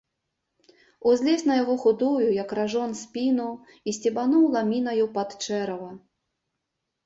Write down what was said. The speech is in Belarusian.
Узлез на яго худую, як ражон, спіну і сцебануў ламінаю пад чэрава.